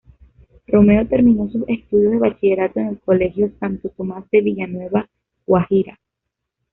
Romero terminó sus estudios de bachillerato en el colegio Santo Tomás de Villanueva, Guajira.